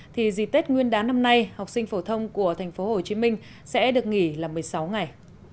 thì dịp tết nguyên đán năm nay học sinh phổ thông của tp hcm sẽ được nghỉ là một mươi sáu ngày